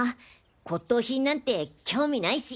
骨董品なんて興味ないし。